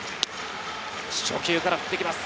初球から振っていきます。